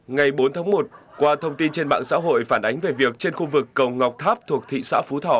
ngày bốn tháng một qua thông tin trên mạng xã hội phản ánh về việc trên khu vực cầu ngọc tháp thuộc thị xã phú thọ